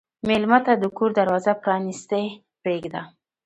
مېلمه ته د کور دروازه پرانستې پرېږده.